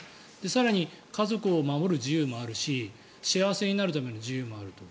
更に、家族を守る自由もあるし幸せにあるための自由もあると。